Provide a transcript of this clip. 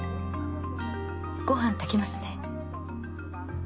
ごはん炊きますね。